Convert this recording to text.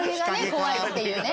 怖いっていうね。